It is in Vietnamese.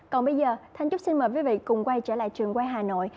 còn bây giờ thanh trúc xin mời quý vị cùng quay trở lại trường quay hà nội